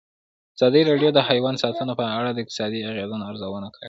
ازادي راډیو د حیوان ساتنه په اړه د اقتصادي اغېزو ارزونه کړې.